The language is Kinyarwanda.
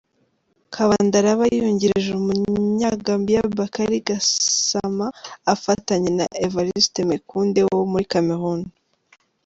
Kabanda araba yungirije Umunyagambia Bakary Gassama afatanye na Evarist Menkouande wo muri Cameroun.